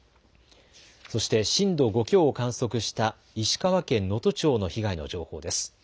そして震度５強を観測した石川県能登町の被害の情報です。